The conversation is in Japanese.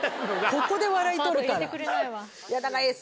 ここで笑い取るから。